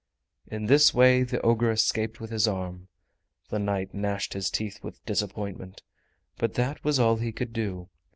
In this way the ogre escaped with his arm. The knight gnashed his teeth with disappointment, but that was all he could do.